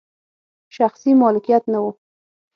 شخصي مالکیت نه و.